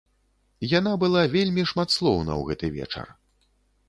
Яна была вельмі шматслоўна ў гэты вечар.